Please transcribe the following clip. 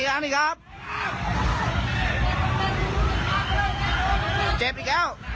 เจ็บอีกด้วย